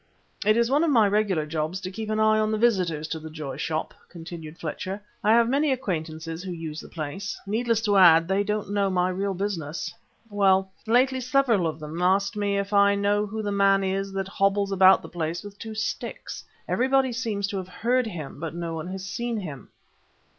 "It is one of my regular jobs to keep an eye on the visitors to the Joy Shop," continued Fletcher. "I have many acquaintances who use the place. Needless to add, they don't know my real business! Well, lately several of them have asked me if I know who the man is that hobbles about the place with two sticks. Everybody seems to have heard him, but no one has seen him."